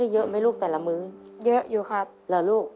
หรือครับฮะค่ะ